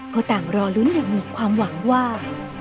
ก็ต่างรอลุ้นอย่างมีความหวังว่า